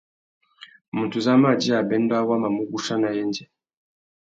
Mutu uzu a mà djï abêndô awô a mà mù guchia nà yendzê.